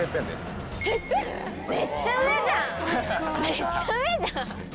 めっちゃ上じゃん。